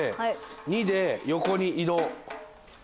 ２で横に移動。